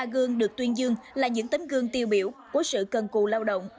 bốn mươi ba gương được tuyên dương là những tính gương tiêu biểu của sự cần cù lao động